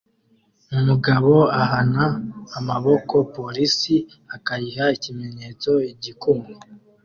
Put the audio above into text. Umugabo ahana amaboko police akayiha ikimenyetso "igikumwe"